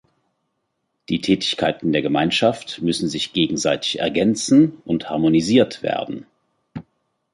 Die Tätigkeiten der Gemeinschaft müssen sich gegenseitig ergänzen und harmonisiert werden.